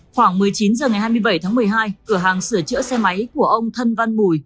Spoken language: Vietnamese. khoảng một mươi chín h ngày hai mươi bảy tháng một mươi hai cửa hàng sửa chữa xe máy của ông thân văn mùi